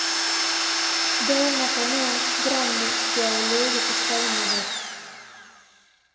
Deu na canoa, grande, que ao Leo lle custaba mover.